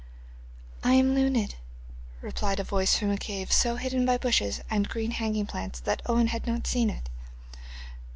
'I am Luned,' replied a voice from a cave so hidden by bushes and green hanging plants that Owen had not seen it.